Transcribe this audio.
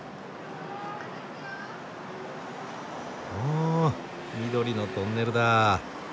お緑のトンネルだ。